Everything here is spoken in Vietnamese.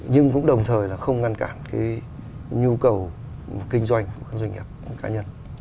nhưng cũng đồng thời là không ngăn cản cái nhu cầu kinh doanh doanh nghiệp cá nhân